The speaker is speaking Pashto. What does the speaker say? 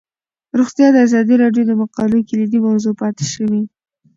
روغتیا د ازادي راډیو د مقالو کلیدي موضوع پاتې شوی.